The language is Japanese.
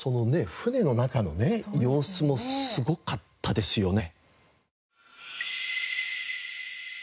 船の中のね様子もすごかったですよね。